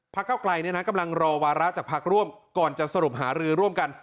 เก้าไกลกำลังรอวาระจากพักร่วมก่อนจะสรุปหารือร่วมกัน